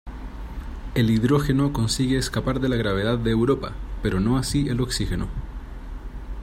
El hidrógeno consigue escapar de la gravedad de Europa, pero no así el oxígeno.